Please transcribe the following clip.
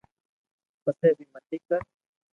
پسي بي متي ڪر